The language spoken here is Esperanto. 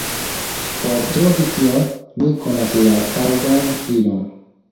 Por trovi tion, ni konas la taŭgan ilon: